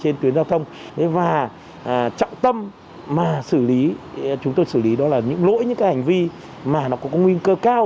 những cái hành vi mà nó có nguyên cơ cao